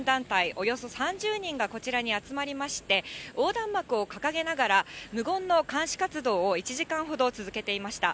およそ３０人がこちらに集まりまして、横断幕を掲げながら、無言の監視活動を１時間ほど続けていました。